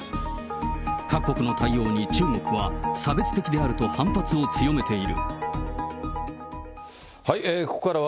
各国の対応に中国は、差別的であると反発を強めている。